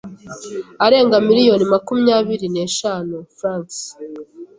arenga miliyoni makumyabiri neshanu Frw